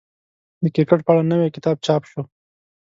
د کرکټ په اړه نوی کتاب چاپ شو.